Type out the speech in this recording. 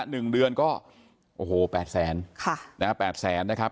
หนึ่งเดือนก็โอ้โหแปดแสนค่ะนะฮะแปดแสนนะครับ